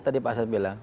tadi pak arshad bilang